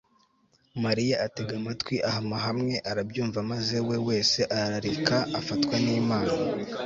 mariya atega amatwi, ahama hamwe, arabyumva maze we wese arareka afatwa n'imana